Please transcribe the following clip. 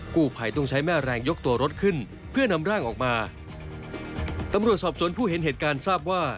กู้ภัยต้องใช้แม่แรงยกตัวรถขึ้นเพื่อนำร่างออกมาตำรวจสอบสวนผู้เห็นเหตุการณ์ทราบว่า